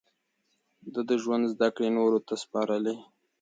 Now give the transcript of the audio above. ده د ژوند زده کړې نورو ته سپارلې.